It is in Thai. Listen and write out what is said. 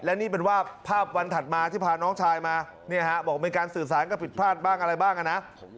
และนี่เป็นว่าภาพวันถัดมาที่พาน้องชายมาเนี่ยฮะบอกมีการสื่อสารกับผิดพลาดบ้างอะไรบ้างนะ